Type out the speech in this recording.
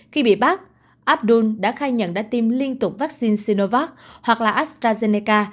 khi bị bắt abdul đã khai nhận đã tiêm liên tục vắc xin sinovac hoặc astrazeneca